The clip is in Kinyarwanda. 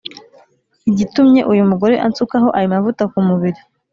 Igitumye uyu mugore ansukaho ayo mavuta ku mubiri